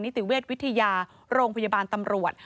ติเวชวิทยาโรงพยาบาลตำรวจ